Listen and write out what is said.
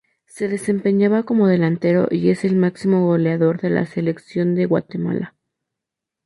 Se desempeñaba como delantero y es el máximo goleador de la Selección de Guatemala.